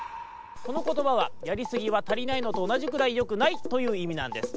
このことばはやりすぎはたりないのとおなじぐらいよくないといういみなんです。